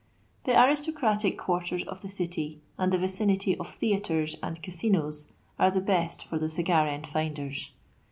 ^ The aristocratic quarters of the City and the vicinity of theatres and casinos are the best for the cigar end finders.